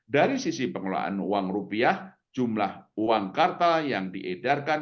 dari sisi pengelolaan uang rupiah jumlah uang kartal yang diedarkan